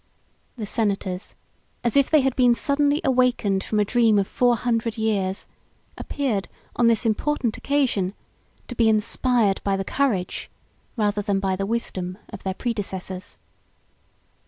The senators, as if they had been suddenly awakened from a dream of four hundred years, appeared, on this important occasion, to be inspired by the courage, rather than by the wisdom, of their predecessors.